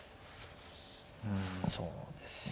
うんそうですね。